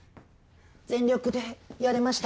全力でやれました。